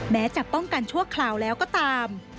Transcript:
แม้จะป้องกันชั่วคราวแล้วก็ตาม